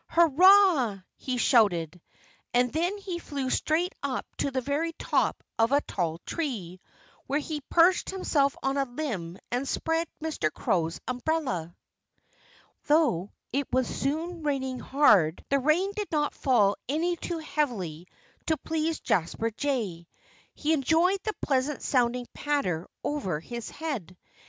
"Hurrah!" he shouted. And then he flew straight up to the very top of a tall tree, where he perched himself on a limb and spread Mr. Crow's umbrella. Though it was soon raining hard, the rain did not fall any too heavily to please Jasper Jay. He enjoyed the pleasant sounding patter over his head.